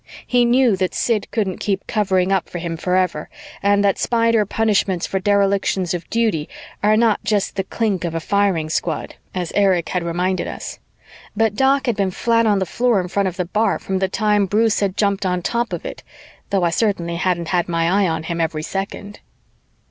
He knew that Sid couldn't keep covering up for him forever and that Spider punishments for derelictions of duty are not just the clink of a firing squad, as Erich had reminded us. But Doc had been flat on the floor in front of the bar from the time Bruce had jumped on top of it, though I certainly hadn't had my eye on him every second.